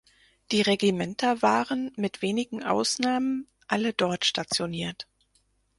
Die Regimenter waren, mit wenigen Ausnahmen, alle dort stationiert.